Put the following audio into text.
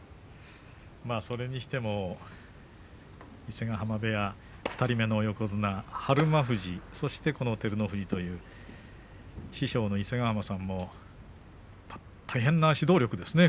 それにしても伊勢ヶ濱部屋２人目の横綱日馬富士、そして照ノ富士という師匠の伊勢ヶ濱さんも大変な指導力ですね。